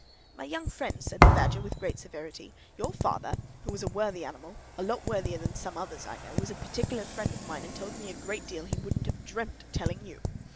"My young friend," said the Badger, with great severity, "your father, who was a worthy animal—a lot worthier than some others I know—was a particular friend of mine, and told me a great deal he wouldn't have dreamt of telling you.